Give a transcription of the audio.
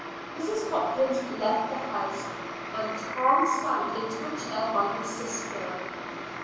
Mrs. Hopkins left the house, and Tom sank into a chair by his sister.